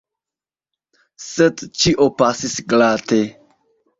Sed ĉio pasis glate.